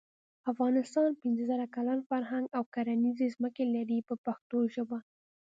افغانستان پنځه زره کلن فرهنګ او کرنیزې ځمکې لري په پښتو ژبه.